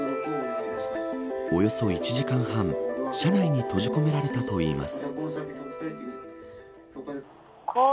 およそ１時間半車内に閉じ込められたといいます。